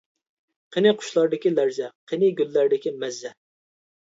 قېنى قۇشلاردىكى لەرزە؟ قېنى گۈللەردىكى مەززە؟ .